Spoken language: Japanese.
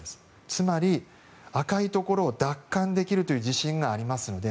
つまり、赤いところを奪還できるという自信がありますので